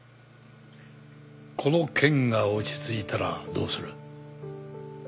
この件が落ち着いたらどうする？